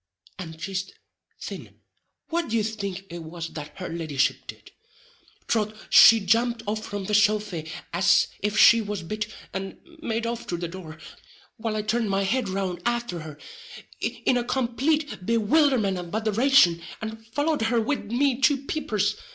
—and jist thin what d'ye think it was that her leddyship did? Troth she jumped up from the sofy as if she was bit, and made off through the door, while I turned my head round afther her, in a complate bewilderment and botheration, and followed her wid me two peepers.